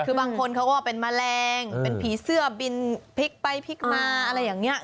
คือบางคนเขาก็เป็นแมลงเป็นผีเสื้อบินพลิกไปพลิกมาอะไรอย่างนี้